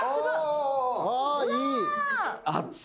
ああいい。